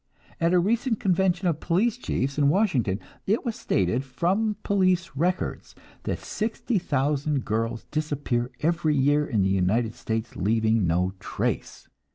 At a recent convention of police chiefs in Washington, it was stated, from police records, that sixty thousand girls disappear every year in the United States, leaving no trace.